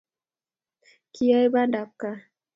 Kiyae bandab kaa